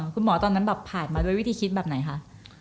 คุณหมอตอนนั้นแบบผ่านมาด้วยวิธีฯศีลแบบไหนคะ